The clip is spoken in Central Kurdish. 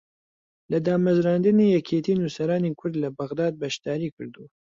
لە دامەزراندنی یەکێتی نووسەرانی کورد لە بەغداد بەشداری کردووە